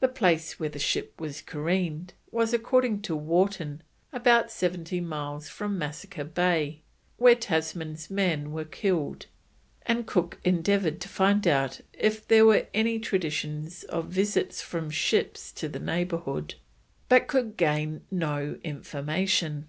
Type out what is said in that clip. The place where the ship was careened was, according to Wharton, about 70 miles from Massacre Bay, where Tasman's men were killed, and Cook endeavoured to find out if there were any traditions of visits from ships to the neighbourhood, but could gain no information.